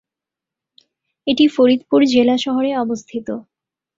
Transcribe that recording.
এটি ফরিদপুর জেলা শহরে অবস্থিত।